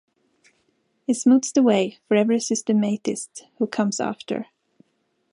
It smooths the way for every systematist who comes after.